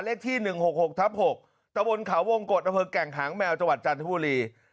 เลขที่๑๖๖ทับ๖ตะวนเขาวงกฎอำเภอแก่งหางแมวจังหวัดจันทบุรี